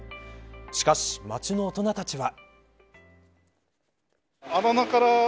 しかし街の大人たちは。